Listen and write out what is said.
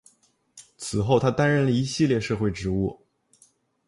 此后他担任了一系列社会职务。